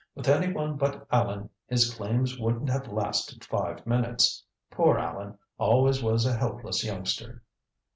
With any one but Allan his claims wouldn't have lasted five minutes. Poor Allan always was a helpless youngster."